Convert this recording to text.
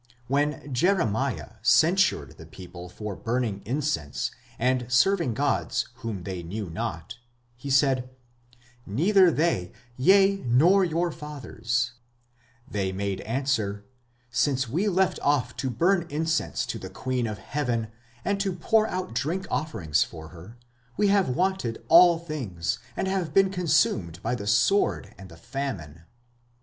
When Jeremiah censured the people for burning incense and serving gods "whom they knew not", he said, "neither they, ye, nor your fathers", they made answer: "Since we left off to burn incense to the queen of heaven, and to pour out drink offerings unto her, we have wanted all things, and have been consumed by the sword and the famine".